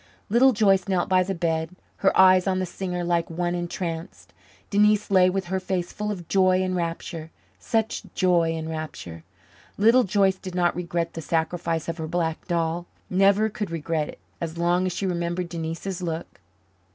Little Joyce knelt by the bed, her eyes on the singer like one entranced. Denise lay with her face full of joy and rapture such joy and rapture! Little Joyce did not regret the sacrifice of her black doll never could regret it, as long as she remembered Denise's look.